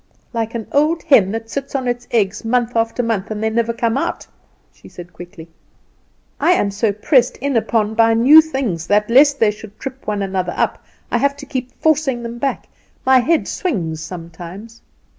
"Like an old hen that sits on its eggs month after month and they never come out?" she said quickly. "I am so pressed in upon by new things that, lest they should trip one another up, I have to keep forcing them back. My head swings sometimes.